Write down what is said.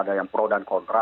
ada yang pro dan kontra